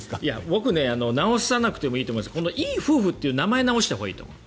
僕、直さなくてもいいと思うんですけどいい夫婦という名前を直したほうがいいと思う。